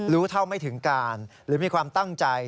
รู้เท่าไม่ถึงการหรือมีความตั้งใจ